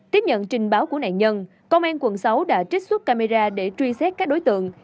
tiếp nhận trình báo của nạn nhân công an quận sáu đã trích xuất camera để truy xét các đối tượng